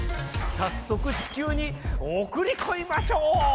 さっそく地球におくりこみましょう！